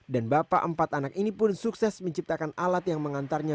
dan bapak empat anak ini pun sukses menciptakan alat yang mengantarnya